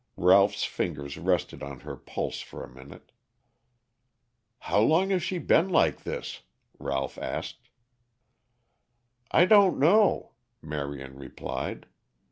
Ralph's fingers rested on her pulse for a minute. "How long has she been like this?" Ralph asked. "I don't know," Marion replied.